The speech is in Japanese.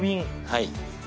はい。